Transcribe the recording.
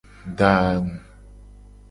Da angu.